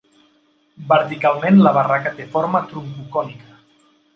Verticalment, la barraca té forma troncocònica.